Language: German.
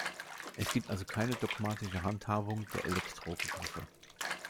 Es gibt also keine dogmatische Handhabung der "Electro"-Begriffe.